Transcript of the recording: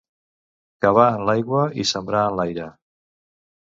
Cavar en l'aigua i sembrar en l'aire.